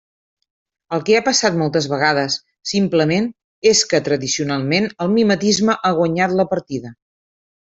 El que ha passat moltes vegades, simplement, és que tradicionalment el mimetisme ha guanyat la partida.